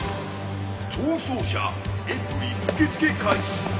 逃走者エントリー受け付け開始！